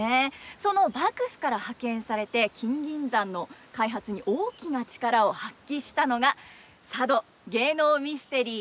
その幕府から派遣されて金銀山の開発に大きな力を発揮したのが佐渡芸能ミステリー